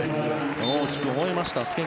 大きくほえました介川